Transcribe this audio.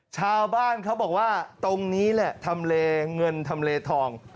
ชาวบ้านเขาบอกว่าตรงนี้แหละทำเลเงินทำเลทอง